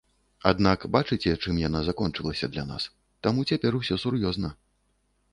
Аднак бачыце, чым яна закончылася для нас, таму цяпер усё сур'ёзна.